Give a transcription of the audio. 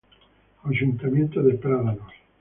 Ayuntamiento de Prádanos.